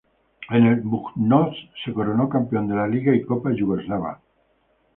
En el Budućnost se coronó campeón de la liga y copa yugoslava.